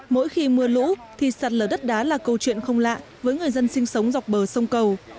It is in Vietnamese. mỗi khi mưa lũ thì sạt lở đất đá là câu chuyện không lạ với người dân sinh sống dọc bờ sông cầu